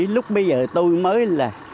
lúc bây giờ tôi mới là